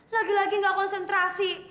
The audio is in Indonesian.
lagi lagi gak konsentrasi